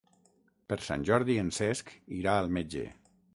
Per Sant Jordi en Cesc irà al metge.